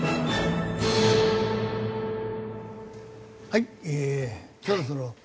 はい。